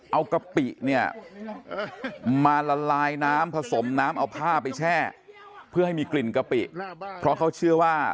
เอากะปิเนี่ยมาละลายน้ำผสมน้ำเอาผ้าไปแช่เพื่อให้มีกลิ่นกะปิเพราะเขาเชื่อว่า